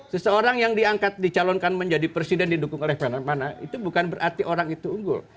seseorang yang diangkat dicalonkan menjadi presiden didukung oleh mana mana itu bukan berarti orang itu unggul